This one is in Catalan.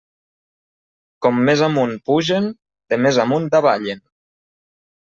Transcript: Com més amunt pugen, de més amunt davallen.